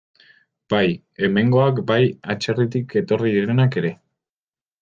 Bai hemengoak, bai atzerritik etorri direnak ere.